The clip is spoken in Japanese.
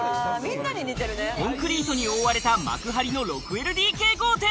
コンクリートに覆われた幕張の６ＬＤＫ豪邸。